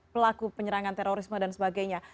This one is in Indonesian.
pelaku penyerangan terorisme dan sebagainya